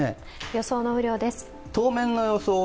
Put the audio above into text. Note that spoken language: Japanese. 予想の雨量です。